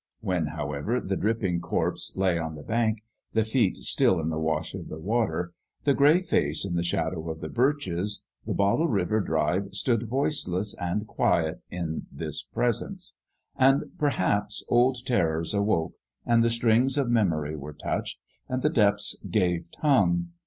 When, however, the dripping corpse lay on the bank, the feet still in the wash of the water, the gray face in the shadow of the birches, the Bottle River drive stood voiceless and quiet in this Presence ; and, perhaps, old terrors awoke, and the strings of memory were touched, and the depths gave tongue.